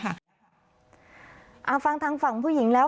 ทำแบบนี้อะไรอย่างเงี้ยค่ะอ่าฟังทางฝั่งผู้หญิงแล้ว